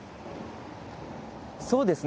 そうですね。